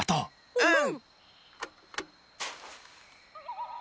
うん。